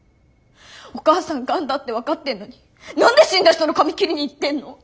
お母さんがんだって分かってんのに何で死んだ人の髪切りに行ってんの？